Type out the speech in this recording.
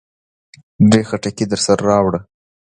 درې خټکي درسره راوړه.